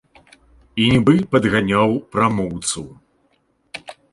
І нібы падганяў прамоўцу.